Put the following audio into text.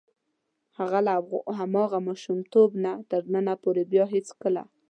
هغه له هماغه ماشومتوب نه تر ننه پورې بیا هېڅکله.